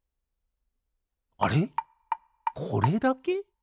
あれこれだけ？